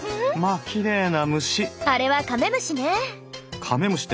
あれはカメムシね。